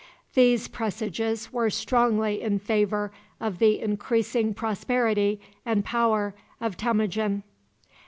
These presages were strongly in favor of the increasing prosperity and power of Temujin.